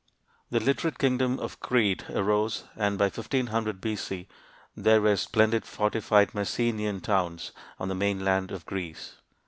The literate kingdom of Crete arose, and by 1500 B.C. there were splendid fortified Mycenean towns on the mainland of Greece.